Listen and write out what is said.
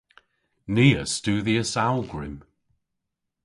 Ni a studhyas awgwrym.